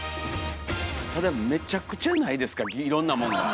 ただめちゃくちゃないですかいろんなもんが。